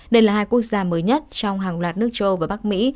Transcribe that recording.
đây là hai quốc gia mới nhất trong hàng loạt nước châu và bắc mỹ